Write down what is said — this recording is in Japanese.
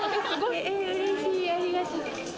えうれしいありがたい。